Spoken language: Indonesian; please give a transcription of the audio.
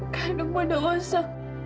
gandum bunuh waso